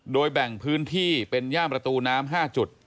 โดยแบ่งพื้นที่เป็นย่ามประตูน้ำ๕จุด